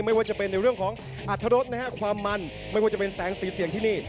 ไม่ว่าจะเป็นในเรื่องของอัตรรสนะฮะความมันไม่ว่าจะเป็นแสงสีเสียงที่นี่